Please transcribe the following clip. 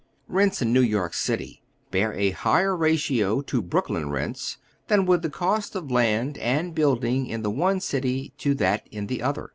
Kents in New York City bear a higher ratio to JBrooklyn rents than would the cost of land and building in the one city to that in the other."